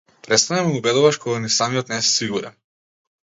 Престани да ме убедуваш кога ни самиот не си сигурен.